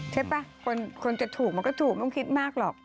ใช่ป่ะคนจะถูกมันก็ถูกไม่ต้องคิดมากหรอก